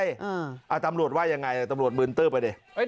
อันน้อยฝากตามรวจว่ายังไงตามรวจเบิ้ลเตอร์ไปเนี่ย